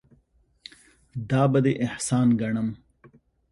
دا به دې احسان ګڼم.